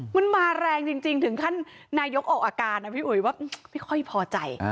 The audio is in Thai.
มันมาแรงจริงถึงขั้นนายกออกอาการนะพี่อุ๋ยว่าไม่ค่อยพอใจ